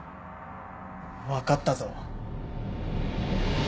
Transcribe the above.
分かったぞ。